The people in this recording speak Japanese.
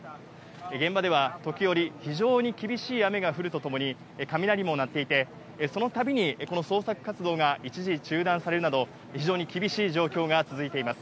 現場では時折、非常に厳しい雨が降るとともに、雷も鳴っていて、そのたびに、この捜索活動が一時中断されるなど、非常に厳しい状況が続いています。